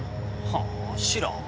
はぁ知らん。